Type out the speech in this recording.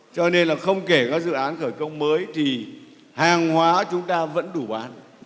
cho nên là không kể các dự án khởi công mới thì hàng hóa chúng ta vẫn đủ bán